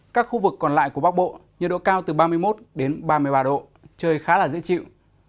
các khu vực còn lại của bắc bộ nhiệt độ cao từ ba mươi một đến ba mươi ba độ trời khá là dễ chịu